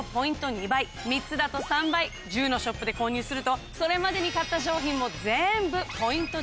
１０のショップで購入するとそれまでに買った商品もぜんぶポイント